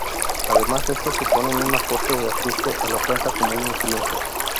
Además estos suponen un aporte de azufre a la planta como nutriente.